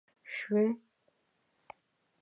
شوې